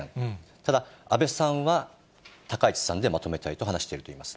ただ、安倍さんは高市さんでまとめたいと話しているといいます。